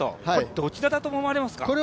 どちらだと思われますか？